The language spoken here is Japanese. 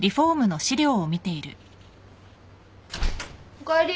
おかえり。